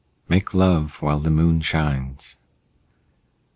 Make love while the moon shines.